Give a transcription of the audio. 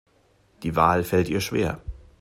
Die Wahl fällt ihr schwer.